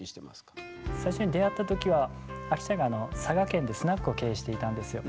最初に出会った時はアキちゃんが佐賀県でスナックを経営していたんですよ。